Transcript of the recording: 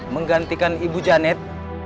menggantikan ibu janet